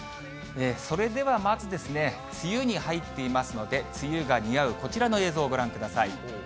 それではまず、梅雨に入っていますので、梅雨が似合うこちらの映像、ご覧ください。